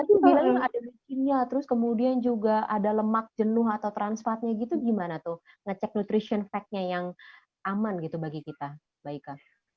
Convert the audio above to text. tadi bilang ada bikinnya terus kemudian juga ada lemak jenuh atau trans fatnya gitu gimana tuh ngecek nutrition factnya yang aman gitu bagi kita baika